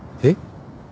えっ？